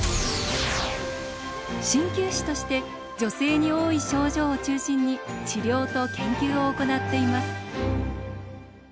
鍼灸師として女性に多い症状を中心に治療と研究を行っています。